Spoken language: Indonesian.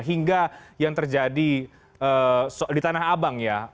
hingga yang terjadi di tanah abang ya